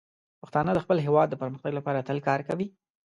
پښتانه د خپل هیواد د پرمختګ لپاره تل کار کوي.